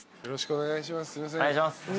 よろしくお願いします。